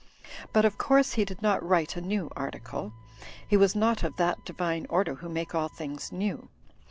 But of course he did not write a new article; he was not of that divine order who make all things new.